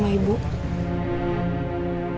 makanya ikut reksernya